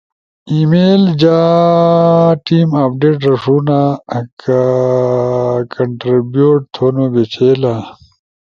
ای میل جا ٹیم اپڈیٹ رݜونا۔ کہ و کنٹربیوٹ تھونو بیچھیلا،